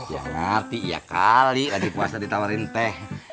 ya ngerti iya kali adik puasa ditawarin teh